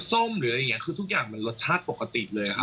ส้มหรืออะไรอย่างนี้ทุกอย่างมันรสชาติปกติเลย